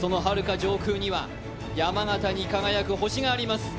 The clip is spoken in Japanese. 上空には山形に輝く星があります。